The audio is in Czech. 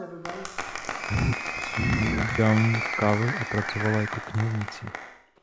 Jeho matka se jmenovala Dawn Cave a pracovala jako knihovnice.